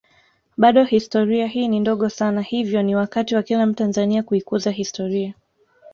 Bado historia hii ni ndogo sana hivyo ni wakati wa kila mtanzania kuikuza historia